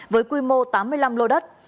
với quy mô tám mươi năm lô đất